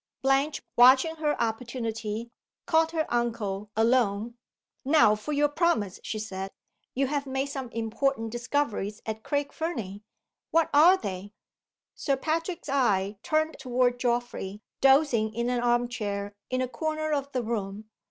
Blanche, watching her opportunity, caught her uncle alone. "Now for your promise," she said. "You have made some important discoveries at Craig Fernie. What are they?" Sir Patrick's eye turned toward Geoffrey, dozing in an arm chair in a corner of the room.